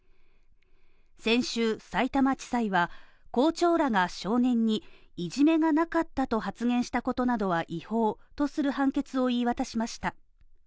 先週、さいたま地裁は、校長らが少年にいじめはなかったと発言したことなどは違法とする判決を言い渡しました。